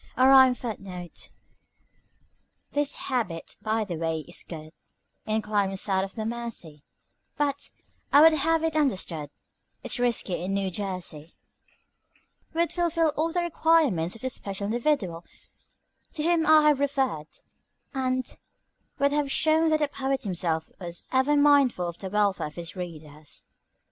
A rhymed foot note "This habit, by the way, is good In climes south of the Mersey; But, I would have it understood, It's risky in New Jersey would fulfil all the requirements of the special individual to whom I have referred, and would have shown that the poet himself was ever mindful of the welfare of his readers."